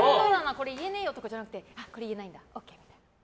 これ言えねえよとかじゃなくてこれ言えないんだ、ＯＫみたいな。